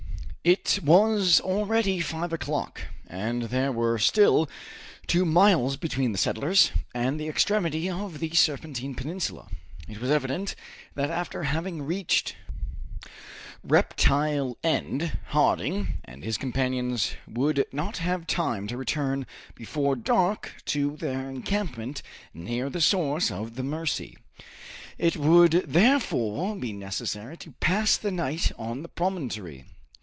It was already five o'clock, and there were still two miles between the settlers and the extremity of the Serpentine Peninsula. It was evident that after having reached Reptile End, Harding and his companions would not have time to return before dark to their encampment near the source of the Mercy. It would therefore be necessary to pass the night on the promontory.